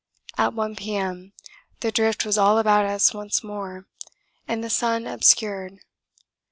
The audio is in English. At 1 P.M. the drift was all about us once more and the sun obscured.